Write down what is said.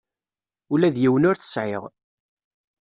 Ula d yiwen ur t-sɛiɣ.